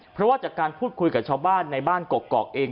เพราะว่าจากการพูดคุยกับชาวบ้านในบ้านกกอกเอง